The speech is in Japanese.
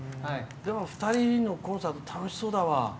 でも２人のコンサート楽しそうだわ。